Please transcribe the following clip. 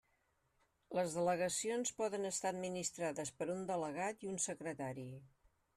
Les delegacions poden estar administrades per un delegat i un secretari.